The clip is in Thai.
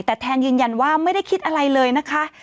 แต่แทนยืนยันว่าไม่ได้คิดอะไรเลยนะคะ